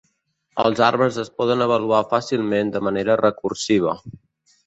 Els arbres es poden avaluar fàcilment de manera recursiva.